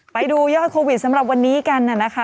ไปดูยอดโควิดสำหรับวันนี้กันนะคะ